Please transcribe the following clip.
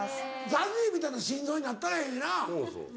ＺＡＺＹみたいな心臓になったらええのにな。